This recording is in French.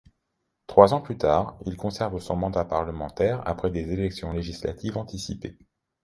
Trois ans plus tard, il conserve son mandat parlementaire après des élections législatives anticipées.